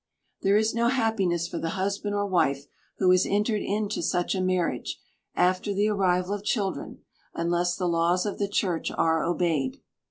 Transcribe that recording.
There is no happiness for the husband or wife who has entered into such a marriage, after the arrival of children, unless the laws of the Church are obeyed.